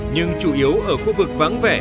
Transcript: nhưng chủ yếu ở khu vực vắng vẻ